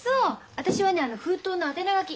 私はねあの封筒の宛名書き